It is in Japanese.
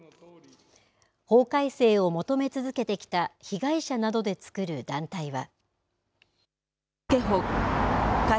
法改正を求め続けてきた被害者などで作る団体は。